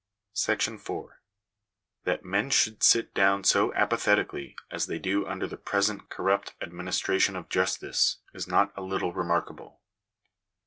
§4. That men should sit down so apathetically as they do under the present corrupt administration of justice, is not a little re markable.